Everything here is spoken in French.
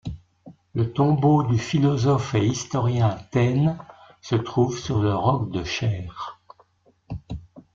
Le tombeau du philosophe et historien Taine se trouve sur le roc de Chère.